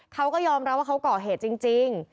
เขาก็ยอมรับว่าเขาก่อเหตุจริง